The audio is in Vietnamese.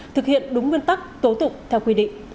thực hiện đúng nguyên tắc tố tụng theo quy định